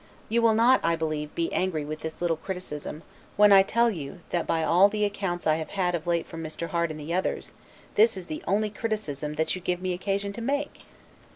You will not, I believe, be angry with this little criticism, when I tell you, that by all the accounts I have had of late from Mr. Harte and others, this is the only criticism that you give me occasion to make.